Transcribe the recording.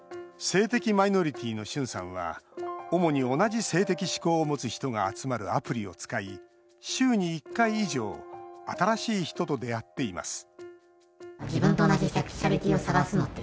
性的マイノリティーのシュンさんは主に同じ性的指向を持つ人が集まるアプリを使い週に１回以上新しい人と出会っています